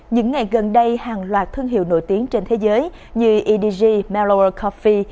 những ngày gần đây hàng loạt thương hiệu nổi tiếng trên thế giới như edg melor coffee